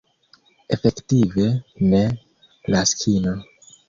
Efektive, ne, Laskino.